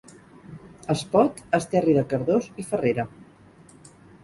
Espot, Esterri de Cardós i Farrera.